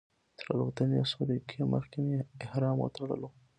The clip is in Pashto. تر الوتنې څو دقیقې مخکې مې احرام وتړلو.